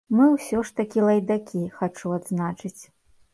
Мы ўсё ж такі лайдакі, хачу адзначыць.